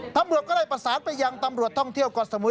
ตำรวจก็ได้ประสานไปยังตำรวจท่องเที่ยวเกาะสมุย